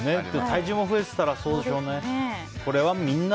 体重も増えてたらそうでしょうね。